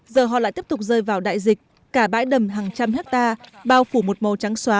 giờ họ lại tiếp tục rơi vào đại dịch cả bãi đầm hàng trăm hectare bao phủ một màu trắng xóa